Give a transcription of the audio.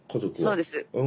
そうです。